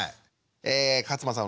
え勝間さん